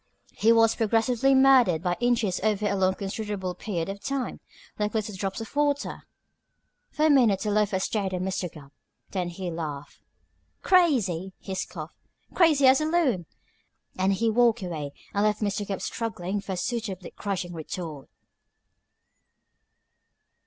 He was progressively murdered by inches over a long considerable period of time, like little drops of water." For a minute the loafer stared at Mr. Gubb. Then he laughed. "Crazy!" he scoffed. "Crazy as a loon!" and he walked away and left Mr. Gubb struggling for a suitably crushing retort.